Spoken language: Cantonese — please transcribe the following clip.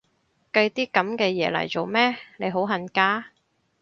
計啲噉嘅嘢嚟做咩？，你好恨嫁？